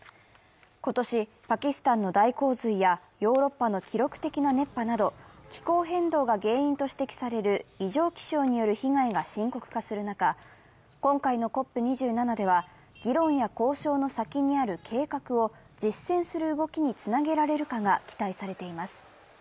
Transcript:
今年、パキスタンの大洪水やヨーロッパの記録的な熱波など、気候変動が原因と指摘される異常気象による被害が深刻化する中、今回のＣＯＰ２７では、議論や交渉の先にある計画を実践する動きにつなげられるかが期待されています。